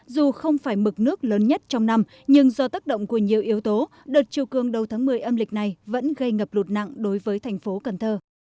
dù không phải mực nước lớn nhất trong năm nhưng do tác động của nhiều yếu tố đợt chiều cương đầu tháng một mươi âm lịch này vẫn gây ngập lụt nặng đối với thành phố cần thơ